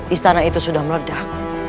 istana itu sudah meledak